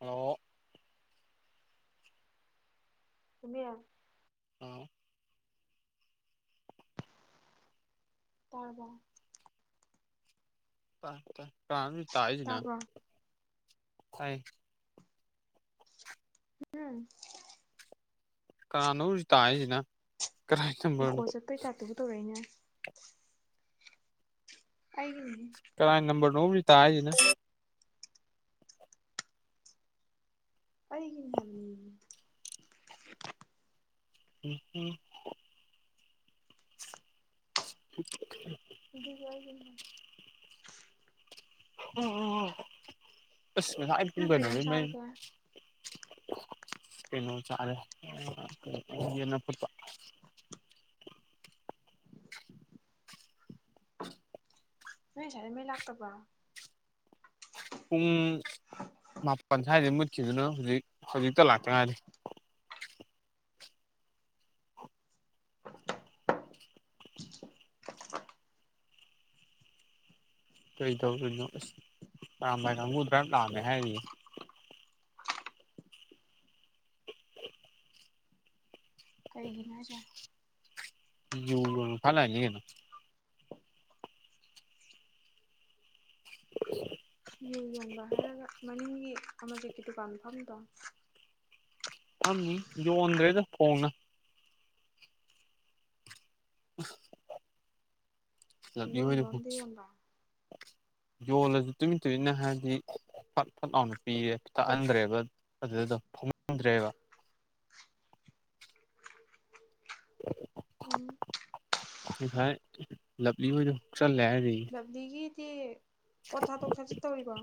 ꯅꯣ [unintelligible] ꯑꯥ ꯇꯥꯔꯕꯣ [unintelligible] ꯇꯥꯕ꯭ꯔꯣ ꯇꯥꯏ [unintelligible] ꯀꯅꯥꯅꯣꯝꯖꯨ ꯇꯥꯏꯖꯤꯅ ꯏꯀꯣ ꯆꯠꯄꯩ ꯇꯥꯏꯞꯇꯕꯨ ꯇꯧꯔꯛꯏꯅꯦ ꯑꯩꯒꯤꯅꯤ ꯀꯅꯥꯏ ꯅꯝꯕꯔ ꯅꯣꯝꯖꯨ [unintelligible] ꯑꯩꯒꯤꯅꯦ ꯍꯥꯏꯝꯅꯤ [unintelligible] [unintelligible] ꯑꯗꯨꯅꯦ ꯑꯩꯒꯤꯅꯦ ꯍꯥꯏꯕ [unintelligible] ꯑꯁ ꯉꯁꯥꯏ ꯄꯨꯡ ꯅꯪ ꯀꯩ ꯏꯟꯖꯥꯡ ꯀꯩꯅꯣꯗꯩ ꯃꯩ ꯆꯥꯔꯒꯦ ꯀꯩꯅꫭꯝ ꯆꯥꯔꯦ [unintelligible] ꯌꯦꯟ ꯅꯞꯄ ꯆꯥꯎ ꯅꯣꯏ ꯉꯁꯥꯏꯗꯩ ꯃꯩ ꯂꯥꯛꯇꯕ꯭ꯔꯣ ꯄꯨꯡ ꯃꯥꯄꯟ ꯁꯥꯏꯗꯩ ꯃꯨꯠꯈꯤꯞꯗꯨꯅ ꯍꯧꯖꯤꯛ ꯍꯧꯖꯤꯛꯇ ꯂꯥꯛꯇ ꯉꯥꯏꯔꯤ ꯀꯩ ꯇꯧꯗꯣꯏꯅꯣ ꯑꯁ ꯑꯔꯥꯝꯕꯥꯏ ꯀꯥꯡꯕꯨ [unintelligible] ꯇꯥꯜꯂꯦ ꯍꯥꯏꯔꯤꯌꯦ ꯀꯩꯒꯤꯅꯣ ꯍꯥꯏꯖꯦ ꯌꯨ ꯌꫭꯟꯕ ꯐꯥ ꯂꯥꯛꯏꯅꯤ ꯀꯩꯅꯣ [inaudible] ꯌꯨ ꯌꯣꯟꯕ ꯍꯥꯏꯔꯒ ꯃꯅꯤꯡꯒꯤ ꯑꯃꯔꯖꯤꯠꯀꯤ ꯗꯨꯀꯥꯟ ꯐꯝꯃꯤꯕꫭ ꯐꯝꯃꯤ ꯌꯣꯟꯗ꯭ꯔꯦꯗ ꯐꯣꯡꯅ [unintelligible] ꯂꯛꯀꯤ ꯍꯣꯏꯗ ꯂꯣꯟꯕ ꯑꯝꯗ [unintelligible] ꯌꯣꯟꯕ ꯌꯣꯜꯂꯖꯨ ꯇꯨꯃꯤꯟ ꯇꯨꯃꯤꯟꯅ ꯍꯥꯏꯗꯤ ꯐꯠ ꯐꯠ ꯂꯥꯎꯅ ꯄꯤꯔꯦ ꯀꯔꯤ ꯊꯛꯍꯟꯗ꯭ꯔꯦꯕ ꯑꯗꯨꯗ ꯗꯨꯝ [unintelligible] ꯗ꯭ꯔꯦꯕ ꯎꯝ [unintelligible] [unintelligible] ꯂꯞꯂꯤ ꯍꫭꯏꯗ ꯍꯨꯛꯆꯜꯂꯦ ꯍꯥꯏꯔꯤꯌꯦ ꯂꯞꯂꯤꯒꯤꯗꯤ ꯄꯣꯠ ꯊꯥꯗꯣꯛ ꯊꯥꯖꯤꯟ ꯇꯧꯔꯤꯕꯣ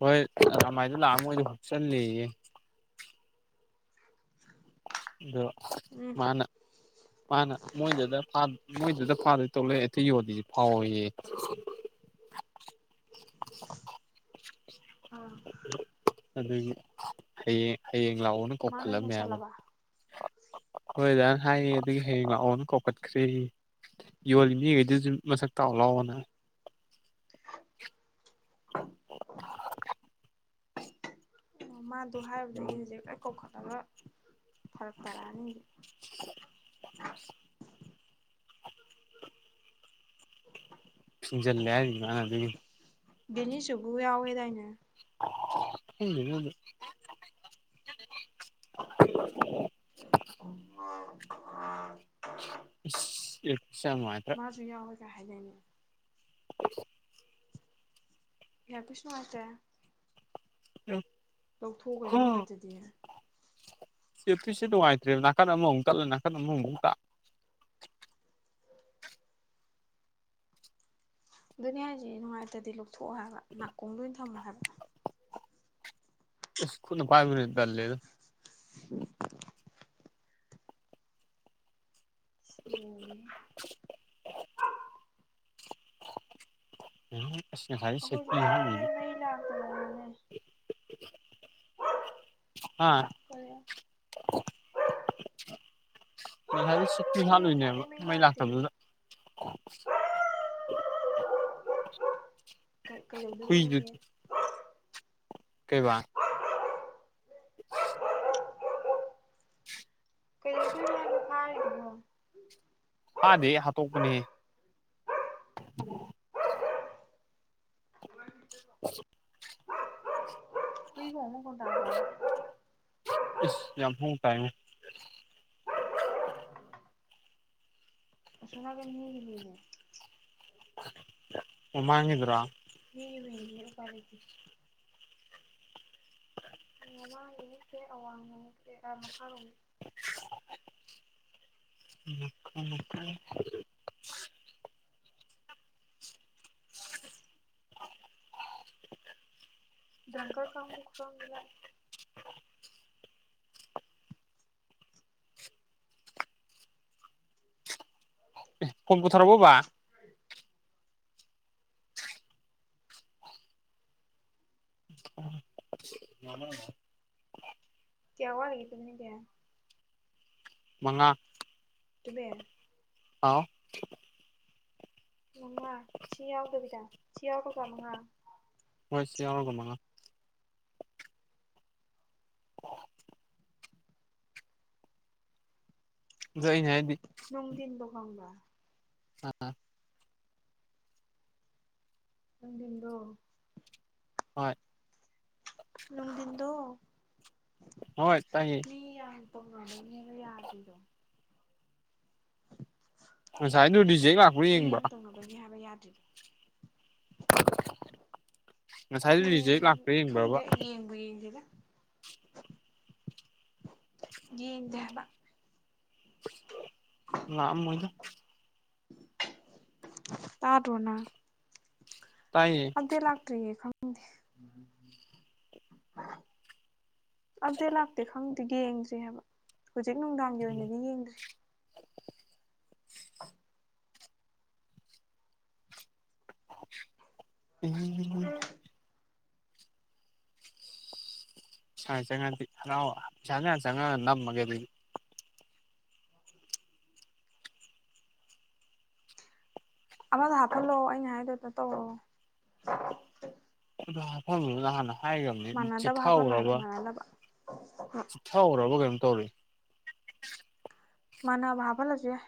ꯍꯣꯏ ꯑꯔꯥꯝꯕꯥꯏꯗꯨ ꯂꯥꯛꯑ ꯃꯣꯏꯗ ꯍꯨꯞꯆꯜꯂꯦꯌꯦ ꯑꯗꯣ ꯎꯝ ꯃꯥꯅ ꯃꯥꯅ ꯃꯣꯏꯗꯗ ꯐꯥ ꯃꯣꯏꯗꯨꯗ ꯐꯥꯗꯣꯏ ꯇꯧ ꯂꯩ ꯑꯇꯩ ꯌꯣꯜꯂꯤꯁꯤ ꯐꯥꯎꯋꫭꯌꯦ [inaudible] ꯑꯗꯨꯒꯤ ꯍꯌꯦꯡ ꯍꯌꯦꯡ ꯂꯥꯛꯑꯣꯅ ꯃꯥ ꯅꯣꯏ ꯀꯧꯈꯠꯂꯝꯃꯦ ꯍꯥꯏꯕꯅꯤ ꯅꯩꯁꯜꯂꯕ [unintelligible] ꯍꯥꯏꯌꯦ ꯑꯗꯨꯒꯤ ꯍꯌꯦꯡ ꯂꯥꯛꯑꯣꯅ ꯀꯧꯀꯠꯈ꯭ꯔꯦꯌꯦ ꯌꯣꯜꯂꯤ ꯃꯤꯒꯩꯗꯨꯖꯨ ꯃꯁꯛ ꯇꯥꯛꯑꯣ ꯂꯥꯛꯑꯣꯅ ꯑꯣ ꯃꯥ ꯑꯗꯨ ꯍꯥꯏꯔꯨꯕꯗꯒꯤ ꯍꯧꯖꯤꯛ ꯂꯣꯏ ꯀꯧꯈꯠꯂꯒ ꯐꯔꯛ ꯇꯥꯔꯛꯑꯅꯤ ꯍꯨꯖꯤꯛ [inaudible] ꯐꯤꯡꯖꯜꯂꯦ ꯍꯥꯏꯔꯤꯌꯦ ꯃꯥꯅ ꯑꯗꯨꯒꯤ ꯗꯦꯅꯤꯁ ꯇꯨꯕꯨ ꯌꯥꯎꯋꯦ ꯗꯥꯏꯅꯦ ꯈꯪꯗꯦꯗ ꯑꯗꯨ [unintelligible] [unintelligible] [unintelligible] ꯏꯌꯔꯄꯤꯁ ꯁꯦ ꯌꯥꯝ ꯃꯥꯖꯨ ꯌꯥꯎꯋꯤꯒ ꯍꯥꯏꯗꯥꯏꯅꯦ [inaudible] ꯏꯌꯥꯔ ꯄꯤꯁ ꯅꯨꯡꯉꯥꯏꯇꯦ [unintelligible] ꯂꯧꯊꯣꯛꯎꯨ ꯀꯩꯅꯣ ꯅꯨꯡꯉꯥꯏꯇ꯭ꯔꯗꯤ ꯏꯌꯥꯔꯄꯤꯁꯁꯦ ꯅꯨꯡꯉꯥꯏꯇ꯭ꯔꯦ ꯅꯥꯀꯟ ꯑꯃꯔꯣꯝ ꯇꯠꯂ ꯅꯥꯀꯟ ꯑꯃꯔꯣꯝ ꯇꯥ ꯑꯗꯨꯅꯦ ꯍꯥꯏꯁꯤ ꯅꯨꯡꯉꯥꯏꯇ꯭ꯔꯗꯤ ꯂꯧꯊꯣꯛꯑꯣ ꯍꯥꯏꯕ ꯅꯥꯀꯣꯡꯗꯥ ꯑꯣꯏ ꯊꯝꯃꯣ ꯍꯥꯏꯕ ꯏꯁ ꯈꯨꯨꯠꯅ ꯄꯥꯏꯕꯗꯨꯅ ꯍꯦꯟꯅ ꯇꯜꯂꯦꯗꯥ [inaudible] ꯏꯁ ꯂꯣꯢꯔꯦꯍꯦ [inaudible] [unintelligible] ꯑꯈꯣꯏ ꯁꯦꯐꯇꯤ ꯆꯦ ꯅ [unintelligible] ꯑꯥ ꯀꯔꯤ [unintelligible] ꯉꯁꯥꯏꯒꯩ ꯁꯨꯛꯇꯤ [unintelligible] ꯑꯩꯈꯣꯏꯁꯨ ꯂꯣꯏꯅꯦꯕ ꯉꯁꯥꯏꯗꯩ ꯃꯩ ꯂꯥꯛꯇꯦꯕ ꯂꯥꯛꯇꯕꯗꯨꯗ [inaudible] ꯀꯩ ꯀꯩꯗꯧꯗꯣꯢꯕ ꯍꯨꯏꯗꯨ ꯅꯣꯢꯗꯤ ꯀꯩꯕꯥ [inaudible] ꯀꯩꯗꯧꯗꯨꯢꯅꯣ ꯍꯥꯢꯕ ꯊꯥꯔꯤꯗꯣ ꯐꯗꯦꯍꯦ ꯍꯥꯠꯇꯣꯛꯄꯅꯤꯍꯦ [inaudible] ꯍꯨꯏ ꯈꯣꯡ ꯃꯈꯣꯟ ꯇꯥꯕ꯭ꯔꯥ ꯏꯁ ꯌꯥꯝ ꯍꯥꯎꯅ ꯇꯥꯏꯕꯣ ꯑꯁꯣꯝ ꯅꯒꯥꯟ ꯃꯤꯒꯤꯅꯦ ꯃꯃꯥꯡꯒꯤꯗꯨꯔꯣ ꯃꯤꯒꯤ ꯍꯨꯢꯅꯤꯅ ꯎꯄꯥꯥꯏ ꯂꯩꯇꯦ ꯃꯃꯥꯡ ꯅꯠꯇꯦ ꯑꯋꯥꯡ ꯔꯣꯝꯒꯤ ꯅꯠꯇꯦ ꯃꯈꯥꯔꯣꯝꯒꯤ [inaudible] ꯃꯀꯣꯏ ꯃꯀ [unintelligible] ꯑ [inaudible] ꯗ꯭ꯔꯪꯀꯔ ꯐꯪ [unintelligible] ꯑꯦ ꯐꯣꯟ ꯄꯨꯊꯔꯕꯣ ꯕꯥ ꯐ [inaudible] [inaudible] ꯀꯌꯥ ꯋꯥꯠꯂꯤꯒꯦ [unintelligible] [unintelligible] ꯃꯉꯥ ꯑꯗꯨꯃꯦ [unintelligible] ꯑꯥꯎ ꯃꯉꯥ ꯁꯤ ꯌꯥꯎꯗꯕꯤꯗ ꯁꯤ ꯌꯥꯎꯔꯒ ꯃꯉꯥ ꯍꯣꯏ ꯁꯤ ꯌꯥꯎꯔꯒ ꯃꯉꯥ ꯑꯗꯨ ꯑꯩꯅ ꯍꯥꯏꯗꯤ ꯅꯨꯡꯗꯤꯟꯗꯣ ꯈꯪꯕ꯭ꯔꯥ ꯑ [unintelligible] ꯅꯨꯡꯗꯤꯟꯗꯣ ꯍꯣꯏ ꯅꯨꯡꯗꯤꯟꯗꯣ ꯍꯣꯏ ꯇꯥꯏꯌꯦ ꯃꯤ ꯌꯥꯝ [unintelligible] ꯌꯥꯗ꯭ꯔꯤꯗꯣ ꯉꯁꯥꯏꯗꯨ ꯔꯤꯖꯦꯛ ꯂꯥꯛꯄ꯭ꯔꯥ ꯌꯦꯡꯕꯥ ꯑꯣꯏꯅꯤ ꯍꯥꯏꯕ [unintelligible] ꯉꯁꯥꯏꯗꯨ ꯔꯤꯖꯦꯛ ꯌꯦꯡ ꯂꯥꯛꯄ꯭ꯔꯥ ꯌꯦꯡꯕ꯭ꯔꯕ ꯈꯪꯗꯦ ꯌꯦꯡꯕꯨ ꯌꯦꯡꯗꯦꯗꯥ ꯌꯦꯡꯗꯦ ꯍꯥꯏꯕ ꯉꯥꯑꯝꯃꯣꯏꯗ ꯇꯥꯗ꯭ꯔꯣ ꯅꯪ ꯇꯥꯏꯌꯦ [unintelligible] ꯂꯥꯛꯇ꯭ꯔꯤꯌꯦ ꯈꯪꯗꯦ ꯑꯞꯗꯦꯠ ꯂꯥꯛꯇꯦ ꯈꯪꯗꯦ ꯌꯦꯡꯗ꯭ꯔꯤ ꯍꯥꯏꯕ ꯍꯧꯖꯤꯛ ꯅꯨꯡꯗꯥꯡꯒꯤ ꯑꯣꯏꯅꯗꯤ ꯌꯦꯡꯗ꯭ꯔꯤ [inaudible] ꯎꯝ ꯄꯩꯁꯥꯖꯦ ꯆꯪꯉꯗꯤ ꯍꯔꯥꯎ ꯆꯪꯉꯥ ꯆꯪꯉꯥ ꯅꯝꯃꯒꯦ ꯑꯗꯨꯗꯤ ꯑꯃꯒ ꯍꯥꯞꯐꯜꯂꯣ ꯑꯩꯅ ꯍꯥꯏꯗꯣ [unintelligible] ꯇꯧꯔꯛꯑꯣ [unintelligible] ꯍꯥꯟꯅ ꯍꯥꯏꯈ꯭ꯔꯕꯅꯤ ꯃꯥꯟꯅꯗꯕ ꯍꯥꯞꯐꯜꯂꯣ ꯆꯤꯠꯊꯍꯧꯔꯕ ꯍꯥꯏꯕ ꯃꯥꯟꯅꯗꯕ ꯊꯧꯒ꯭ꯔꯕ ꯀꯩꯅꯣꯝ ꯇꯧꯔꯤ ꯃꯥꯥꯟꯅꯕ ꯍꯥꯐꯜꯂꯖꯨ ꯌꯥꯏ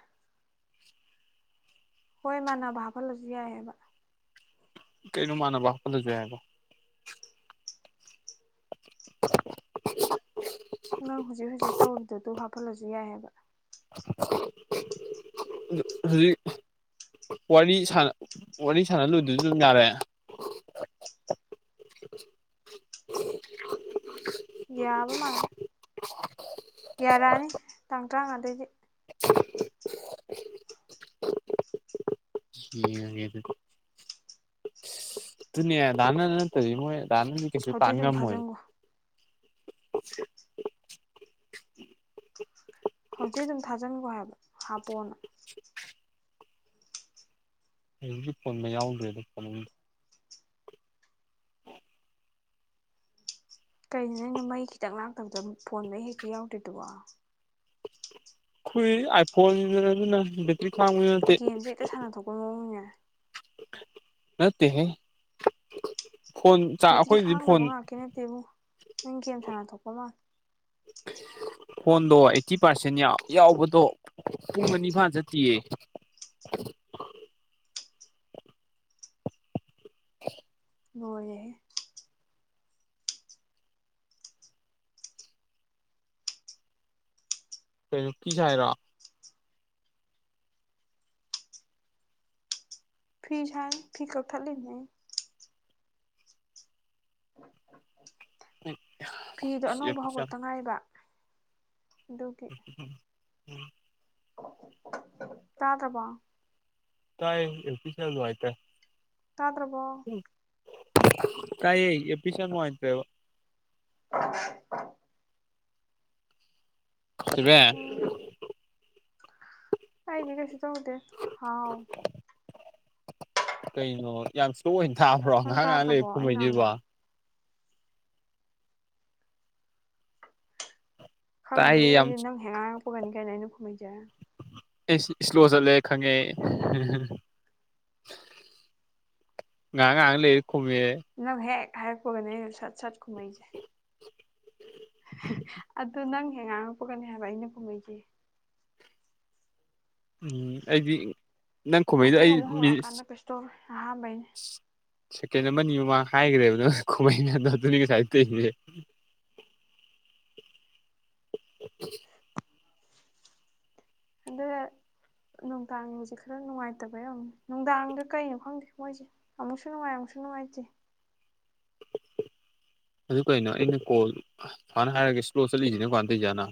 ꯍꯣꯏ ꯃꯥꯟꯅꯕ ꯍꯥꯞꯐꯜꯂꯖꯨ ꯌꯥꯏ ꯍꯥꯏꯕ ꯀꯩꯅꯣ ꯃꯥꯟꯅꯕ ꯍꯥꯞꯐꯜꯂꯖꯨ ꯌꯥꯏꯕꯣ [unintelligible] ꯅꯪ ꯍꯧꯖꯤꯛ ꯍꯧꯖꯤꯛ ꯇꯧꯔꯤꯗꯨ ꯗꯨ ꯍꯥꯞꯐꯜꯂꯖꯨ ꯌꯥꯏꯕ ꯍꯧꯖꯤꯛ ꯋꯥꯔꯤ ꯁꯥꯟ ꯋꯥꯔꯤ ꯁꯥꯟꯅ ꯂꯣꯏꯗ꯭ꯔꯖꯨ ꯑꯗꯨꯝ ꯌꯥꯔꯦ ꯌꯥꯕ ꯃꯥꯜꯂꯦ [inaudible] ꯌꯥꯔꯛꯑꯅꯤ ꯇꯥꯡ ꯇ꯭ꯔꯥꯉꯥꯗꯩꯗꯤ ꯌꯦꯡꯉꯒꯦ ꯗꯨꯗꯤ ꯑꯗꯨꯅꯦ ꯗꯥꯅꯟ ꯅꯠꯇ꯭ꯔꯗꯤ ꯃꯣꯏ ꯗꯥꯅꯟꯗꯤ ꯀꯩꯁꯨ ꯍꯧꯖꯤꯛ ꯇꯥꯟ ꯑꯗꯨꯝ ꯉꯝꯃꯣꯏ ꯊꯥꯖꯤꯟꯈꯣ ꯍꯧꯖꯤꯛ ꯑꯗꯨꯝ ꯊꯥꯖꯟꯒꯣ ꯍꯥꯏꯕ ꯍꯥꯞꯄꯣꯅ ꯍꯧꯖꯤꯛꯇꯤ ꯐꯣꯟ ꯃꯩ ꯌꯥꯎꯗ꯭ꯔꯦꯗ ꯐꯣꯟꯅꯤꯡ ꯀꯩꯅꯣ ꯅꯣꯏꯅ ꯃꯩ ꯈꯤꯇꯪ ꯂꯥꯛꯇꯕꯗ ꯐꯣꯟ ꯃꯩ ꯍꯦꯛꯇ ꯌꯥꯎꯗ꯭ꯔꯤꯗꯨꯕꯣ ꯈꯨꯏ ꯑꯥꯏꯐꯣꯟꯅꯤꯗꯅ ꯑꯗꯨꯅ ꯕꯤꯠ ꯒꯦꯝꯖꯦ ꯍꯦꯛꯇ ꯁꯥꯟꯅ ꯊꯣꯛꯄꯩ ꯃꯑꯣꯡꯅꯤꯅꯦ ꯅꯠꯇꯦꯍꯦ ꯐꯣꯟ ꯆꯥ ꯕꯦꯇ꯭ꯔꯤ ꯑꯩꯈꯣꯏꯗꯤ ꯐꯣꯟ ꯈꯥꯡꯗꯕ ꯉꯥꯛꯀꯤ ꯅꯠꯇꯦꯕꯨ ꯅꯪ ꯒꯦꯝ ꯁꯥꯟꯅ ꯊꯣꯛꯄ ꯃꯥꯟ [inaudible] ꯐꯣꯟꯗꯣ ꯑꯩꯠꯇꯤ ꯄꯥꯔꯁꯦꯟ [unintelligible] ꯌꯥꯎꯕꯗꯣ ꯄꯨꯡ ꯑꯅꯤꯐꯥꯟ ꯆꯠꯇꯤꯌꯦ [inaudible] ꯂꯣꯏꯔꯦꯍꯦ ꯀꯩꯅꯣ ꯀꯤ ꯁꯥꯏꯔꯣ ꯐꯤ ꯁꯥꯏ ꯐꯤ ꯀꯛꯊꯠꯂꯤꯅꯦ ꯑꯩꯅ ꯐꯤꯗꯣ ꯑꯅꯧꯕ ꯍꯧꯒꯠꯇ ꯉꯥꯏꯕ ꯑꯗꯨꯒꯤ [inaudible] ꯇꯥꯗꯕꯣ ꯇꯥꯏ ꯏꯌꯔꯄꯤꯁꯁꯦ ꯌꯥꯝ ꯅꯨꯡꯉꯥꯏꯇ꯭ꯔꯦ ꯇꯥꯗ꯭ꯔꯕꯣ ꯀꯥꯏꯌꯦ ꯑꯦꯄꯤꯁ ꯌꯥꯝ ꯅꯨꯉꯥꯏꯇ꯭ꯔꯦꯕ [inaudible] ꯆꯦꯕꯦ ꯎꯝ ꯑꯩꯗꯤ ꯀꯩꯁꯨ ꯇꯧꯗꯦ ꯍꯥꯎ ꯀꯩꯅꯣ ꯌꯥꯝ ꯁ꯭ꯂꯣ ꯑꯣꯏꯅ ꯇꯥꯕ꯭ꯔꯣ ꯅꯪ ꯉꯥꯍꯥꯛ ꯉꯥꯍꯥꯛ ꯂꯩ ꯇꯥꯗ꯭ꯔꯕꯣ ꯑꯩ ꯉꯥꯡꯕ ꯈꯨꯝꯃꯩꯖꯤꯕꯣ ꯈꯪꯗꯦ ꯇꯥꯏꯌꯦ ꯌꯥꯝ ꯑꯩꯗꯤ ꯅꯪ ꯍꯦꯛ ꯉꯥꯡꯉꯛꯄꯒꯅꯤ ꯀꯩꯅꯣ ꯑꯩꯅ ꯈꯨꯝꯃꯩꯖꯦ ꯏꯁ ꯁ꯭ꯂꯣ ꯆꯠꯂꯦ ꯈꯪꯉꯦ ꯑꯩ ꯉꯥꯛ ꯉꯥꯛ ꯂꯩ ꯈꯨꯝꯃꯦ ꯅꯪ ꯍꯦꯛ ꯍꯥꯏꯔꯛꯄꯒꯅꯦ ꯑꯩꯅ ꯁꯠ ꯁꯠ ꯈꯨꯝꯃꯩꯖꯦ ꯑꯗꯨ ꯅꯪ ꯍꯦꯛ ꯉꯥꯡꯉꯛꯄꯒꯅꯦ ꯍꯥꯏꯕ ꯑꯩꯅ ꯈꯨꯝꯃꯩꯖꯦ ꯎꯝ ꯑꯩꯗꯤ ꯅꯪ ꯈꯨꯝꯃꯩꯗꯣ ꯃꯊꯪ ꯑꯩ ꯑꯃꯨꯛ ꯃꯤ ꯍꯧꯔꯛꯑꯀꯥꯟꯗ ꯀꯩꯁꯨ ꯇꯧꯔꯣꯏ ꯑꯍꯥꯟꯕꯩꯅꯦ ꯁꯦꯀꯦꯟ ꯑꯃꯅꯤ ꯃꯃꯥꯡ ꯍꯥꯏꯒ꯭ꯔꯦꯕ ꯅꯪ ꯈꯨꯝꯍꯩ ꯃꯌꯥꯝꯗꯣ ꯑꯗꯨꯅꯤ ꯉꯁꯥꯏ ꯇꯩꯖꯦ [inaudible] ꯑꯗꯨꯒ ꯅꯨꯡꯗꯥꯡꯖꯦ ꯈꯔ ꯅꯨꯡꯉꯥꯏꯇꯕ [unintelligible] ꯅꯨꯡꯗꯥꯡꯗ ꯀꯩꯅꯣ ꯈꯪꯗꯦ ꯃꯣꯏꯖꯦ ꯑꯃꯨꯛꯁꯨ ꯅꯨꯡꯉꯥꯏ ꯑꯃꯨꯁꯨ ꯅꯨꯡꯉꯥꯏꯇꯦ ꯑꯗꯨ ꯀꯩꯅꯣ ꯑꯩꯅ ꯀꯣꯜ ꯍꯥꯟꯅ ꯍꯥꯏꯔꯒ ꯁ꯭ꯂꯣ ꯆꯠꯂꯤꯖꯤꯅ ꯀꯃꯥꯏ ꯇꯧꯏꯖꯥꯠꯅꯣ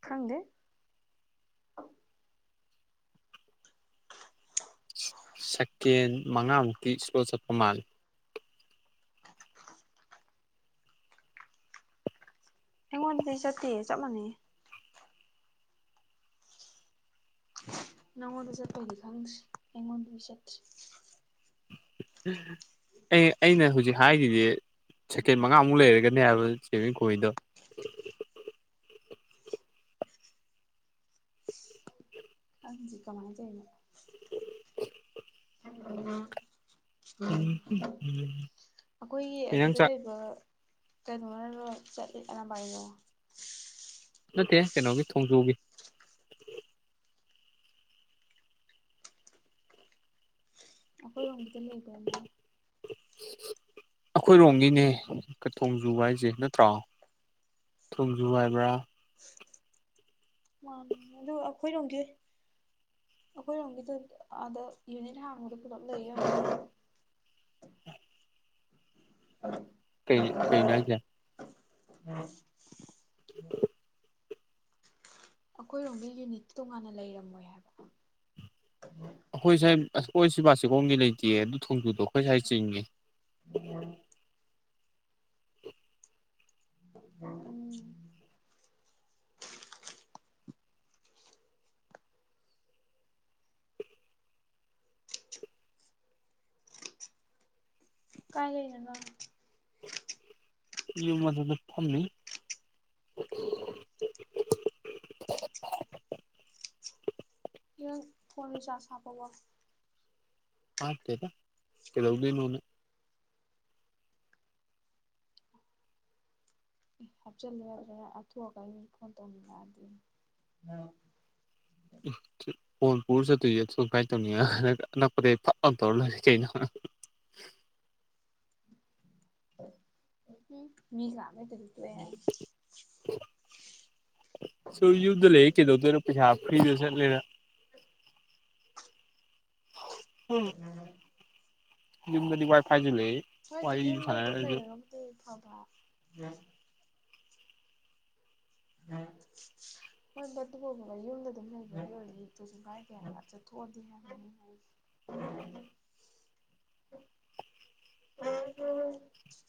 ꯈꯪꯗꯦ ꯁꯀꯦꯟ ꯃꯉꯥꯃꯨꯛꯇꯤ ꯁ꯭ꯂꯣ ꯆꯠꯄ ꯃꯥꯜꯂꯤ ꯑꯩꯉꯣꯟꯗꯗꯤ ꯆꯠꯇꯦ ꯆꯞ ꯃꯥꯟꯅꯩ ꯅꯪꯉꯣꯟꯗ ꯆꯠꯄꯩꯗꯤ ꯈꯪꯗꯦ ꯑꯩꯉꯣꯟꯗꯗꯤ ꯆꯠꯇ꯭ꯔꯦ ꯑꯩ ꯑꯩꯅ ꯍꯧꯖꯤꯛ ꯍꯥꯏꯒ꯭ꯔꯤꯖꯦ ꯁꯦꯀꯦꯟ ꯃꯉꯥꯃꯨꯛ ꯂꯩꯔꯒꯅꯦ ꯍꯥꯏꯕ [unintelligible] ꯈꯪꯗꯦ ꯀꯃꯥꯏ ꯇꯧꯏꯅꯣ [inaudible] ꯑꯈꯣꯏꯒꯤ ꯀꯩ ꯏꯟꯖꯥꯡ ꯑꯗꯨꯗ ꯆꯥ ꯂꯩꯕ ꯀꯩꯅꯣꯅ ꯂꯣꯢ ꯆꯠꯂꯤ ꯑꯔꯥꯝꯕꯥꯏꯒ ꯅꯠꯇꯦ ꯀꯩꯅꯣꯒꯤ ꯊꯣꯡꯖꯨꯒꯤ ꯑꯈꯣꯏ ꯔꯣꯝꯒꯤꯗ ꯂꯩꯗꯥꯢꯅꯦ ꯑꯈꯣꯏꯔꯣꯝꯒꯤꯅꯦ ꯊꯣꯡꯖꯨ ꯍꯥꯏꯁꯦ ꯅꯠꯇ꯭ꯔꯣ ꯊꯨꯝꯖꯨ ꯍꯥꯏꯕ꯭ꯔꯥ ꯃꯥ ꯑꯗꯨ ꯑꯈꯣꯏꯔꯣꯝꯒꯤ ꯑꯈꯣꯏꯔꯣꯝꯒꯤꯗ ꯑꯥꯗ ꯌꯨꯅꯤꯠ ꯍꯥꯡꯕꯗꯣ ꯄꯨꯂꯞ ꯂꯩ [unintelligible] ꯀꯩ ꯀꯩꯅꯣ ꯍꯥꯢꯖꯦ [inaudible] ꯑꯈꯣꯏꯔꯣꯝꯒꯤ ꯌꯨꯅꯤꯠ ꯇꯣꯉꯥꯟꯅ ꯂꯩꯔꯝꯃꯣꯏ ꯍꯥꯏꯕ ꯑꯈꯣꯏ ꯁꯥꯏ ꯑꯈꯣꯏ ꯁꯤ ꯕꯥꯁꯤꯈꯣꯡꯒꯤ ꯂꯩꯇꯤꯌꯦ ꯑꯗꯨ ꯊꯣꯡꯖꯨꯗꯣ ꯑꯈꯣꯏ ꯁꯥꯏ ꯆꯤꯡꯉꯦ [inaudible] [inaudible] [inaudible] ꯀꯥꯏ ꯂꯩꯅꯣ ꯅꯪ ꯌꯨꯝ ꯃꯊꯛꯇ ꯐꯝꯃꯤ ꯅꯪ ꯐꯣꯟ ꯔꯤꯆꯥꯔꯁ ꯍꯥꯄꯕꯣ ꯍꯥꯞꯇꯦꯗ ꯀꯩꯗꯧꯗꯣꯢꯅꯣꯅ ꯍꯥꯞꯆꯤꯜꯂꯨ ꯌꯥꯗ꯭ꯔ ꯑꯊꯨ ꯑꯀꯥꯏ ꯃꯤ ꯐꯣꯟ ꯇꯧꯅꯤꯡꯉꯛꯑꯗꯤ ꯐꯣꯟ ꯄꯨꯔ ꯆꯠꯇꯣꯏꯖꯦ ꯑꯊꯨ ꯀꯥꯏ ꯇꯧꯅꯤꯉ ꯑꯅꯛꯄꯗꯩ ꯐꯛ ꯂꯧ ꯇꯧꯔ ꯂꯣꯏꯔꯦ ꯀꯩꯅꯣ꯫ [unintelligible] ꯎꯝ ꯃꯤ ꯁꯨ ꯂꯥꯛꯅꯇꯗꯤ ꯇꯣꯛꯑꯦ꯫ ꯁꯨꯝ ꯌꯨꯝꯗ ꯂꯩ ꯀꯗꯧꯗꯣꯢꯅꯣ ꯄꯩꯁꯥ ꯐ꯭ꯔꯤꯗ ꯆꯠꯂꯦꯗ꯫ ꯎꯝ꯫ [unintelligible] ꯌꯨꯝꯗꯗꯤ ꯋꯥꯏ ꯐꯥꯏꯖꯨ ꯂꯩ꯫ ꯁ꯭ꯋꯥꯏꯗꯤ ꯋꯥꯔꯤ ꯌꯨꯝꯗ ꯑꯗꯨꯝ ꯁꯥꯟꯅꯔꯁꯨ ꯂꯩꯔꯒꯕꯨꯗꯤ ꯐꯕ꯫ [unintelligible] ꯍꯣꯏꯕ ꯇꯨꯕꯣꯕ ꯌꯨꯝꯗ ꯑꯗꯨꯝ ꯂꯩꯕꯒꯤ ꯑꯣꯏꯗꯤ ꯀꯩꯁꯨ ꯀꯥꯏꯗꯦ ꯍꯥꯢꯕ ꯆꯠꯊꯣꯛꯑꯗꯤ ꯍꯥꯏꯕ꯫ [inaudible] [unintelligible]